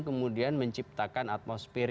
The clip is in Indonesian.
kemudian menciptakan atmosfer